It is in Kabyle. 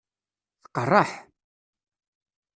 Tqeṛṛeḥ!